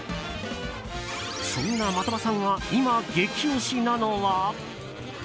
そんな的場さんが今、激推しなのは。